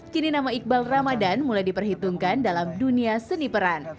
kini nama iqbal ramadan mulai diperhitungkan dalam dunia seni peran